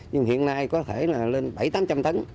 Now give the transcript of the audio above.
nhưng hiện nay có thể là lên bảy trăm linh tám trăm linh tấn